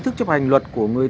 tình trạng cho thấy